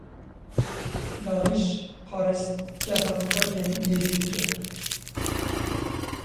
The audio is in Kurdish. Laliş perestgeha kurdên êzîdî ye